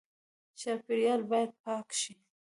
چاپیریال باید پاک شي